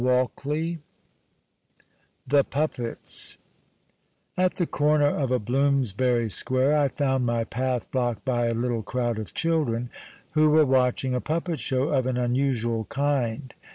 171 THE PUPPETS At the corner of a Bloomsbury square I found my path blocked by a Httlc crowd of children who were watching a puppet show of an unusual kind.